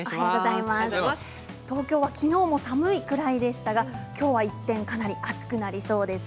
東京はきのうも寒いくらいでしたがきょうは一転かなり暑くなりそうです。